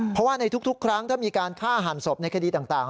เพราะว่าในทุกครั้งถ้ามีการฆ่าหันศพในคดีต่าง